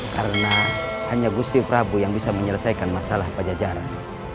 karena hanya gusti prabu yang bisa menyelesaikan masalah pajajaran